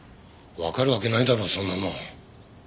わかるわけないだろそんなもん。